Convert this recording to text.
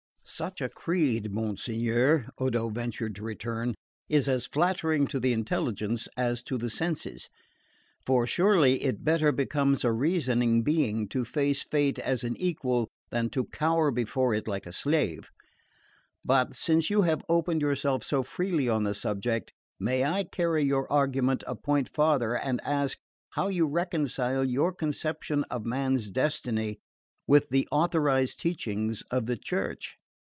'" "Such a creed, monsignore," Odo ventured to return, "is as flattering to the intelligence as to the senses; for surely it better becomes a reasoning being to face fate as an equal than to cower before it like a slave; but, since you have opened yourself so freely on the subject, may I carry your argument a point farther and ask how you reconcile your conception of man's destiny with the authorised teachings of the Church?"